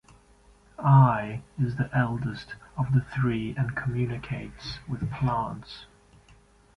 Ai is the eldest of the three and communicates with plants.